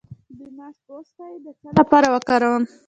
د ماش پوستکی د څه لپاره وکاروم؟